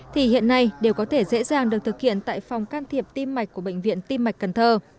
thì hiện nay đều có thể dễ dàng được thực hiện tại phòng can thiệp tim mạch của bệnh viện tim mạch cần thơ